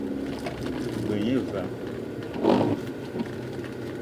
G-beu gne va.